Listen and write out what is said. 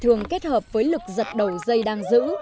thường kết hợp với lực giật đầu dây đang giữ